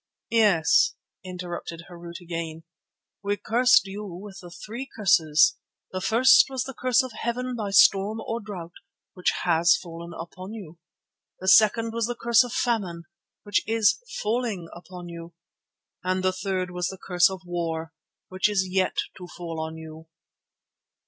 "Yes," interrupted Harût again, "we cursed you with three curses. The first was the curse of Heaven by storm or drought, which has fallen upon you. The second was the curse of famine, which is falling upon you; and the third was the curse of war, which is yet to fall on you."